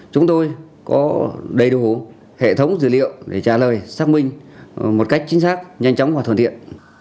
chúng tôi có đầy đủ hệ thống dữ liệu để trả lời xác minh một cách chính xác nhanh chóng và thuận tiện